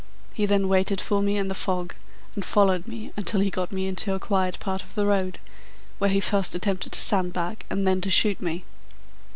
He then waited for me in the fog and followed me until he got me into a quiet part of the road, where he first attempted to sandbag and then to shoot me."